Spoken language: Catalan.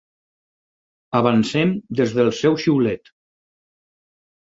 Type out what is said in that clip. Avancem des del seu xiulet.